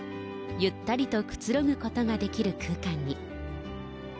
ゆったりとくつろぐことができる空間に。